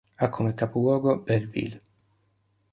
Ha come capoluogo Belleville.